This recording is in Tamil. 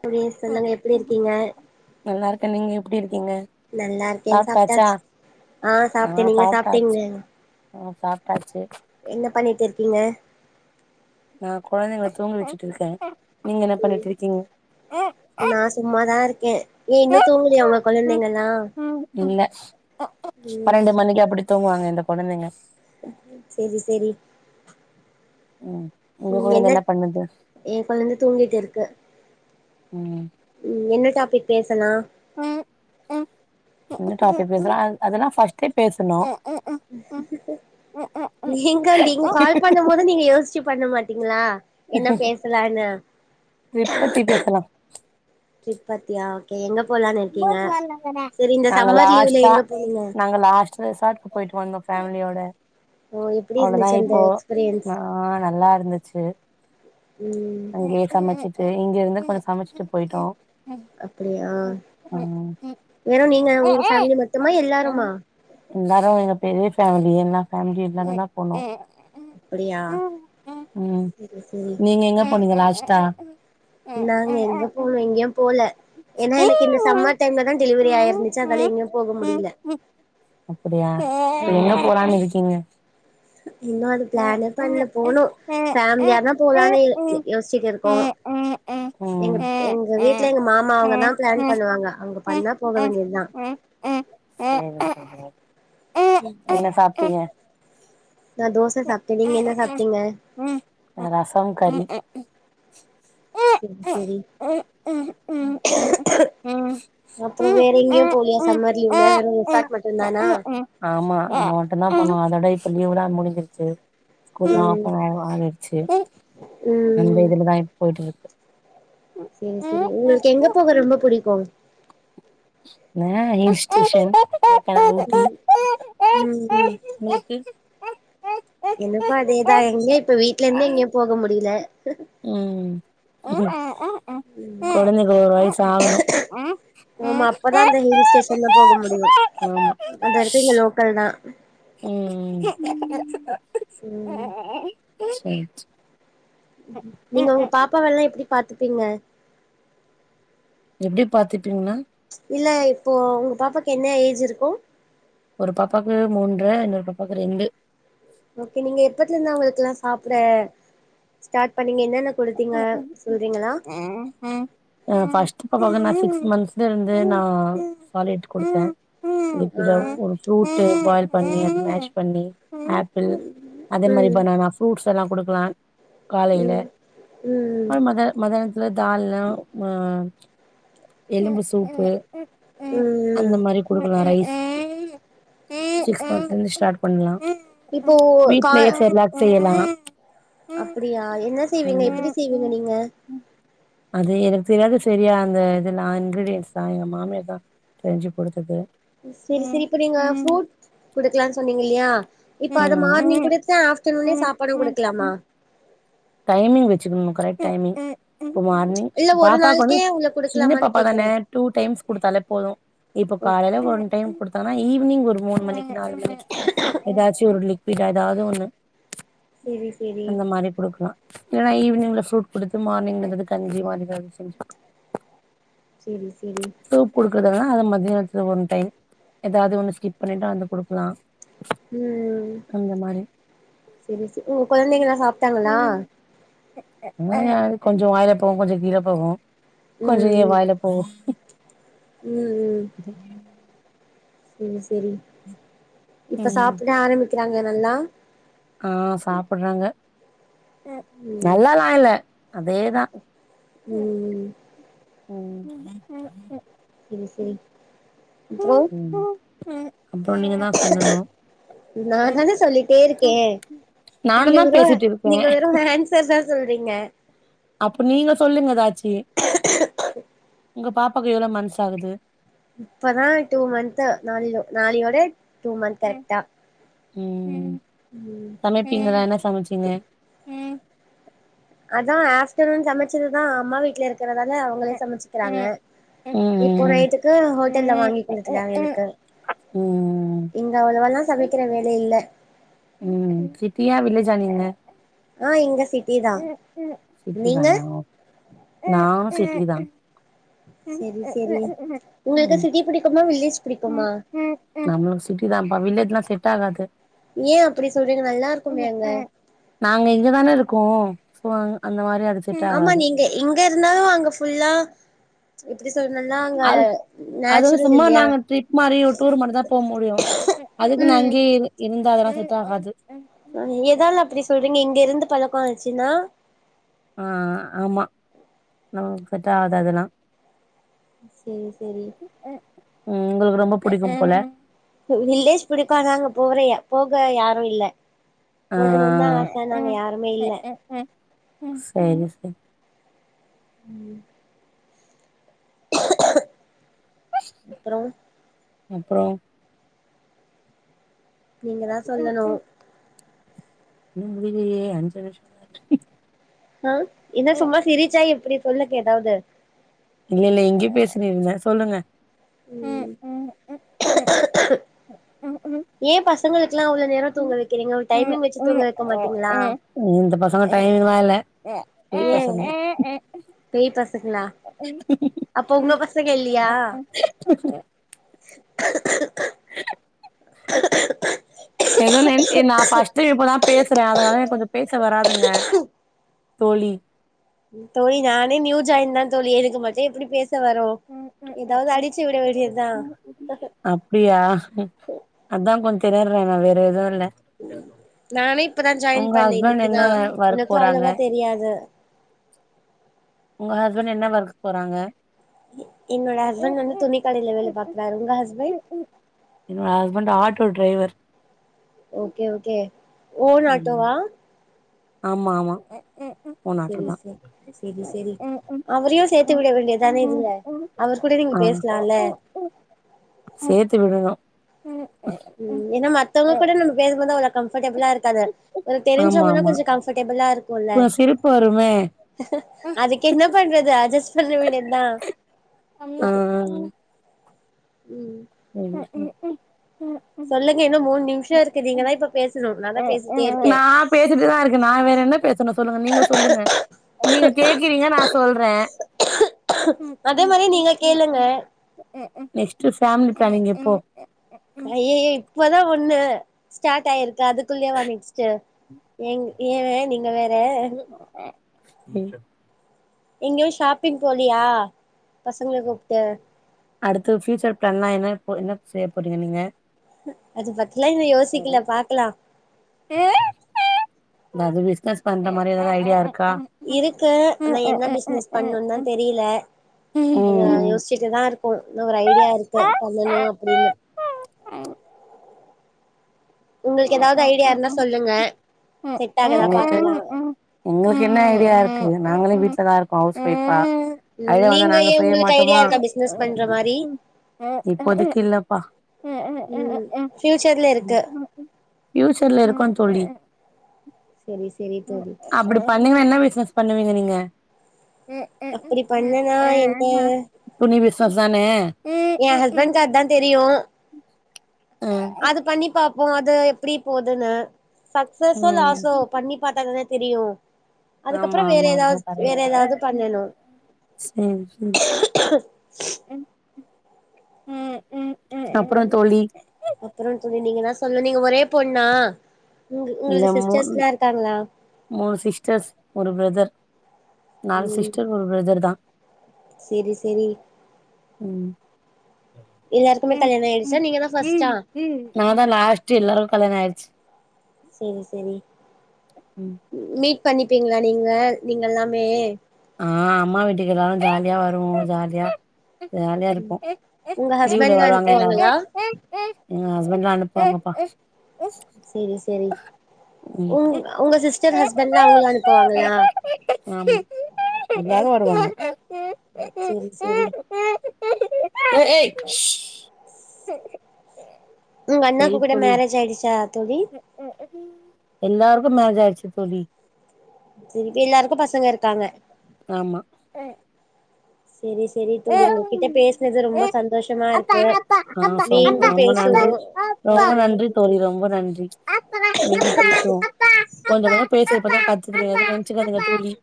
புரி சொல்லுங்க எப்டி இருக்கீங்க நல்லா இருக்கே நீங்க எப்டி இருக்கீங்க நல்லா இருக்கே சாப்ட்டாச்சா சாப்ட்டாச்சு ஆ சாப்ட நீங்க சாப்டீங்கு உம் சாப்டாச்சு என்ன பண்ணிட்டு இருக்கீங்க நா கொழந்தைங்கள தூங்க வச்சுட்டு இருக்க நீங்க என்ன ம் பண்ணிட்டு இருக்கீங்க நா சும்மாதா இருக்கே ஏ இன்னு தூங்கலையா ஒங்க கொழந்தைங்க எல்லா இல்ல பன்னெண்டு மணிக்கா எப்டி தூங்குவாங்க இந்த கொழந்தைங்க செரி செரி உம் உங்க கொழந்த என்ன பண்ணுது ஏ கொழந்த தூங்கிட்டு இருக்கு உம் உம் என்ன டாபிக் பேசலா எந்த டாபிக் பேசலா அதெல்லா ஃபஸ்ட்டே பேசனோ எங்க நீங்க கால் பண்ணு போது நீங்க யோசிச்சு பண்ண மாட்டீங்களா என்ன பேஸ்லானு இப்பத்தி பேசலா பத்தியா ஓகே எங்க போலானு இருக்கீங்க செரி இந்த நாங்க சம்மர் லீவ்ல லாஸ்ட்டா எங்க போனிங்க நாங்க லாஸ்ட்டா ரெசார்ட்க்கு போயிட்டு வந்தோ ஃபேமிலியோட ஓ எப்டி அவ்ளோதா இருந்துச்சு அந்த இப்போ எக்ஸ்பீரியன்ஸ் ஆ நல்லா இருந்துச்சு ம் யே சமச்சிட்டு இங்கெருந்து கொஞ்சோ சமச்சிட்டு போய்ட்டோ அப்படியா வெறு நீங்க உங்க ஃபேமிலி மத்துமா எல்லாருமா எல்லாரு இங்க பெரிய ஃபேமிலி எல்லா ஃபேமிலி எல்லாமே தா போனோ அப்டியா ம் செரி செரி நீங்க எங்க போனீங்க லாஷ்டா நாங் எங்க போல் இங்யும் போல ஏனா எனக்கு இந்த சம்மர் டைம்ல தா டெலிவரி ஆய்ருந்துச்சா அதால எங்யு போக முடியில அப்டியா என்ன பாண் இருக்கீங்க இன்னு அது ப்ளானே பண்ல போலு ஃபேமிலியா தா போலானில் எ யோஸ்ச்சிட் இருக்கோ எங்குப் எங்க ம் வீட்ல எங்க மாமா சேரி அவங்கதா ப்ளான் பண்ணுவாங்க அங்க பண்ணா போக வேண்டியதா சேரி சேரி என்ன சாப்ட்டீக நா தோச சாப்ட நீங்க என்ன சாப்ட்டீங்க அ ரசம் கறி செரி செரி [unintelligible] உம் அப்றோ வேற் எங்க்யு போலியா சம்மர் லீவ்ல வெறு ரிசாட் மட்டு தானா ஆமா அவ மட்டு தா பண்ணுவா அதோட இப்ப லீவ்லா முடிஞ்சிருச்சு ம் [inaudible] ஆச்சு அந்த ம் இதுலதா போயிட்டு இருக்கு சேர் செரி உங்களாக்கு எங்க போக ரொம்ப புடிக்கு அஹ் ஹில் ஸ்டேஷன் ம் ம் எனக்கு அதேதா எங்யு இப்ப வீட்லெந்தே எங்யு போக முடியில ம் கொழந்தைக்கு ஒரு வயசு ஆகணு ஓமா அப்பதா அந்த ஹில் ஸ்டேஷன்ல போக முடியு அதர்ப்பி இங்க லோக்கல் தா ம் ம் சேர் சே நீங்க உங்க பாப்பாவல்லா எப்டி பாத்துப்பீங்க எப்டி பாத்துப்பீங்னா இல்ல இப்போ உங் பாப்பாக்கு என்ன ஏஜ் இருக்கு ஒரு பாப்பாக்கு மூன்ற இன்னொரு பாப்பாக்கு ரெண்டு ஓகே நீங்க எப்பத்லுந்து அவங்ளுக்கெல்லா சாப்புட ஸ்டாட் பண்ணீங்க என்னன்னக் கொடுத்தீங்க சொல்றீங்களா ம் அ ஃபஸ்ட் போனோனே நா சிக்ஸ் மந்த்ஸ்லருந்து நா சாலிட் குடுத்த ஆ ஒரு ஃப்ரூட்டு பாயில் பண்ணி அத மேஷ் பண்ணி ஆ ப்பிள் அதே மாரி ம் பனானா ஃப்ரூட்ஸல்லா குடுக்லா காலைல ம் ம் ம் அ மத மதான்துல தாலும் ம எலும்பு சூப்பு அந்த ம் மாரி குடுக்கலா ரைஸ் ஸிக்ஸ் மந்த்ல ஸ்டாட் பண்லா இப்போ கா வீட்லயே சேர்லாக் செய்யலா அப்டியா என்ன செய்வீங்க எப்டி செய்வீங்க ம் நீங்க அது எனக் தெரியாது சரியா அந்த இதெல்லா இன்க்ரீடியன்ஸ்லா எங்க மாமியார் தா கெஞ்சி குடுத்தது இ செரி சிரி இப்ப நீங்க ஃப்ரூட் குடுக்லான் சொன்னீங்க இல்லியா இப்ப அது ஆமா மார்னிங் குடுத்து ஆஃப்டர்நூனே சாப்பாடு குடுக்கலாமா டைமிங் வச்சுக்கணு கரெக்ட் டைமிங் இப்ப மார்னிங் இல்ல ஒரு பாப்பாக்கு வந்து நாளுக்கே உள்ள சின்ன குடுக்கலாமான்னு பாப்பா தான கேக்குறே டூ டைம்ஸ் குடுத்தாலே போது இப்ப ஓ காலைல ஒன் டைம் குடுத்தானா ஈவ்னிங் ஒரு மூணு மணிக்கி நாலு மணிக்கி ஏதாச்சு ஒரு லிக்விட் ஏதாது ஒண்ணு செரி செரி அந்த மாரி குடுக் ஏனா ஈவினிங்ல ஃப்ரூட் குடுத்து மார்னிங்ல ஏதாது கஞ்சி மாதிரி அதாவ்து செஞ்சு செரி செரி சூப் குடுக்குறதா அத மத்தியானத்துல ஒன் டைம் ஏதாவ்து ஒன்னு ஸ்கிப் பண்ணிட்டா அந்த குடுக்கலா ம் அந்த மாரி செரி செ உங்க கொழந்தைங்கெல்லா சாப்ட்டாங்களா [unintelligible] கொஞ்சோ வாயில போகு கொஞ்சோ கீழ போகு கொஞ்சோ ஏ ம் வாயில போகு ம் ம் ம் [inaudible] செரி செரி இப்ப ம் சாப்பிட ஆரம்பிக்கிறாங்க நல்லா ஆ சாப்ட்றாங்க ம் நல்லலா இல்ல அதேதா ம் ம் செரி செரி அப்றோ ம் அப்றோ நீங்க தா சொல்லணு நா தானே சொல்லிட்டே இருக்கே நானு நீங்க தா வெற பேசிட்டு இருக்கே நீங்க வெறு அன்ஸ் சர் தா சொல்றீங்க அப்போ நீங்க சொல்லுங்க எதச்சி உங்க பாப்பாக்கு எவ்ளோ மன்ஸ் ஆகுது இப்பதா டூ மந்த்து நாளோட டூ மந்த் கரெக்டா ம் ம் சமைப்பீங்கள என்னா சமச்சீங்க ம் அதா ஆஃப்டர்நூன் சமச்சதுதா அம்மா வீட்ல இருக் குறதால அவுங்களே சமச்சிக்கிறாங்க இப்போ ம் நைட்டுக்கு ஹோட்டல்ல வாங்கி குடுத்துடங்க எனக்கு ம் ம் ம் இங்க அவ்ளவால்லா சமைக்கிற வேல இல்ல நீங்க சிட்டியா வில்லேஜ்ஜா நீங்க ஆ இங்க சிட்டி தா சிட்டி நீங்க தான நானு சிட்டிதா செரி செரி உங்களுக்கு சிட்டி புடிக்குமா வில்லேஜ் புடிக்குமா நம்மளுக்கு சிட்டி தானப்பா வில்லேஜ்ல்லா செட் ஆகாது ஏன் அப்டி சொல்றீங்க நல்லா இருக்குமே அங்க நாங்க இங்கதானே இருக்கோ அந்த மாரி அது செட் ஆமா ஆகாது நீங்க இங்க இருந்தாலு அங்க ஃபுல்லா எப்டி சொல்றதுன்னா அங்க அது அதுவு நேச்சுரல் சும்மா இல்லையா நாங்க ட்ரிப் மாரி ஒரு டூர் மாரி தா போ முடியு அதுக்கு நா ம் அங்கயே இரு இருந்த அதெல்லா செட் ஆகாது [inaudible] எதல அப்டி சொல்றீங்க இங்க இருந்து பழக்கோ ஆச்சுன்னா ஆ ஆமா நமக்கு செட்ட ஆகுது அதெல்லா செரி செரி ம் உங்களுக்கு ரொம்ப புடிக்கு போல வில்லேஜ் புடிக்கு ஆனா அங்க போறய போக யாரு இல்ல ஆ போகணுந்தா ஆச அங்க யாருமே இல்ல செரி செரி ம் அப்றோ அப்றோ நீங்க தா சொல்லணு இன்னு முடியலையே அஞ்சு நிம்ஷந்த அ என்ன சும்மா சிரிச்சா எப்டி சொல்லுங்க ஏதாவது இல்ல இல்ல இங்க பேசினிருந்த சொல்லுங்க ம் ஏ பசங்களுக்கெலா அவ்ள நேரோ தூங்க வைக்கிறீங்க ஒரு டைமிங் வச்சு தூங்க வைக்க மாட்டீங்ளா இந்த பசங்க டைமிங்லா இல்ல [unintelligible] ஏ பசங்க பேய் பசங்களா அப்ப ஹ உங்க பசங்க உ உம் [unintelligible] [unintelligible] எதுவு நென் நா ஃபர்ஸ்ட்டு இப்பதா பேசுறே அதனால எனக் கொஞ்ச பேச வராதுங்க தோழி தோழி நானே நியூ ஜாயின் தா தோழி எதுக்கு மட்டு எப்டி பேச வரு ஏதாவது அடிச்சு விட வேண்டிய தா அப்டியா அதா கொஞ்ச [unintelligible] வேற எதுல்ல கேக்கும் நானே இப்பதா ஜாயின் பண்ணே இன்னைக்கி தா ஒர்க் எனக்கு போறாங்க அவ்ளவா தெரியாது உங்க ஹஸ்பண்டு என்ன ஒர்க்கு போறாங்க எ என்னோட ஹஸ்பண்ட் வந்து துணி கடையில வேல பாக்றாரு உங்க ஹஸ்பண்ட் என்னோட husband auto driver okay okay own ம் ஆட்டோவா ஆமா ஆமா ஓன் ஆட்டோ செரி தா செ செரி செரி அவரையு சேத்து விட வேண்டிய தானே இதுல்ல அவர் கூட நீங்க ஆ பேசலால்ல சேத்து விடணு ம் ஏனா மத்தவங்க கூட நம்ம பேசும் போது அவ்ள கம்ஃர்டபிளா இருக்காது ஒரு ஆமா தெரிஞ்சவங்கனா ஆமா கொஞ்ச கம்ஃபர்ட்டபிளா இருக்குல்ல [unintelligible] சிரிப்பு வருமே அதுக்கென்ன பண்றது அட்ஜஸ் பண்ண வேண்டியதா ஆ ம் [unintelligible] சொல்லுங்க இன்னு மூணு நிமிஷோ இருக்கு நீங்கதா இப்ப பேசணு நான்தா பேசிட்டே இருக்கே நா பேசிட்டுதா இருக்கே நா வேற என்னப் பேசனு சொல்லுங்க நீங்க சொல்லுங்க நீங்க கேக்குறீங்க நா சொல்றே அதே மாரி நீங்க கேளுங்க நெக்ஸ்ட் ஃபேமிலி பிளானிங் எப்போ அய்யய்யோ இப்பதா ஒண்ணு ஸ்டார்ட் ஆயிருக்கு அதுக்குள்ளயேவா நெக்ஸ்ட்டு ஏங் ஏவே நீங்க வேற [unintelligible] ஏங்கெ ஷாப்பிங் போலயா பசங்கள கூப்ட்டு அடுத்து ஃபியூச்சர் பிளான்லா என்ன என்ன செய்ய போறீங்க நீங்க அது பத்திலா இன்னு யோசிக்கல பாக்லா ஏதாது பிசினஸ் பண்ற மாரி ஏதாது ஐடியா இருக்கா இருக்கு ஆனா என்ன பிசினஸ் பண்ணும் தா தெரியல அத ம் யோசிச் [unintelligible] தா இருக்கு னு ஒரு ஐடியா இருக்கு பண்ணணு அப்டின்னு [inaudible] உங்களுக்கு ஏதாவ்து ஐடியா இருந்தா சொல்லுங்க செட் ஆகுதா உனக்கு பாக்கலா எங்களுக்கு என்ன ஐடியா இருக்கு நாங்களும் வீட்டு்லதா இருக்கோம் ஹவுஸ்வொய்ஃப்ப நீங்க ஏ உங்களுக்கு ஐடியா இருக்கா பிசினஸ் பண்ற மாரி இப்போதைக்கு இல்லப்பா ம் ஃபியூச்சர்ல இருக்கு ஃபியூச்சர்ல இருக்கும் தோழி செரி செரி தோழி அப்பிடி பண்ணீங்கன்னா என்ன பிசினஸ் பண்ணுவீங்க நீங்க அப்பிடி பண்ணனா என்ன துணி பிசினஸ் தானே எ ஹஸ்பண்ட்கு அத் தான் தெரியூ அது பண்ணி பாப்போ அது எப்பிடி போதுன்னு சக்சஸோ ம் ம் லாஸ்ஸோ பண்ணி பாத்தாதான தெரியு அதுக்கப்றோ ஆமா வேற ஆமா அத்தா ஏதாவது வேற கரெட்டு ஏதாவது பண்ணணு சரி க அப்பறம் தோழி நீங்கதா சொல்லனு நீங்க ஒரே பொண்ணா உங் உங்களுக்கு சிஸ்டர்ஸ் ல்லா இருக்காங்ளா மூனு சிஸ்டர்ஸ் ஒரு பிரதர் நாலு ம் சிஸ்டர் ஒரு பிரதர் தா செரி செரி உம் எல்லாருக்குமே கல்யாண ஆயிடுச்சா நீங்க தா பஸ்டா நா தா லாஸ்டு எல்லாருக்கு கல்யாண ஆயிடுச்சு செரி செரி ம் மீட் பண்ணிப்பீங்ளா நீங்க நீங்கல்லாமே ஆ அம்மா வீட்டுக்கு எல்லாரு ஜாலியா வருவோ ஜாலியா ஜாலியா இருப்போம் உங்க லீவுல ஹஸ்பண்ட் தா வருவாங்க அனுப்புவாங்களா எல்லாரும் எங்க ஹஸ்பண்ட்லா அனுப்புவாங்கப்பா சேரி சேரி ம் உங் உங்க சிஸ்டர் ஹஸ்பண்ட் லா உங்கள அனுப்புவாங்களா ஆமா எல்லாரு வருவாங்க சேரி சேரி [unintelligible] உங்க அண்ணாக்கு கூட மேரேஜ் ஆயிடுச்சா தோழி எல்லாருக்கும் மேரேஜ் ஆயிடுச்சு தோழி திரிப்பி எல்லாருக்கும் பசங்க இருக்காங்க ஆமா செரி செரி தோழி உங்ககிட்ட பேசினது ரொம்ப சந்தோஷமா ஆ இருக்கு ரொம் மீண்டும் ரொம்ப பேசுவோ நன்றி ரொம்ப நன்றி தோழி ரொம்ப நன்றி மீண்டும் பேசுவோ கொஞ்ச நேர பேசுறப்பதா கத்துதுங்க எதுவும் [inaudible] சிகாதிங்க தோழி